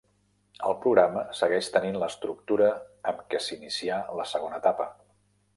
El programa segueix tenint l'estructura amb què s'inicià la segona etapa.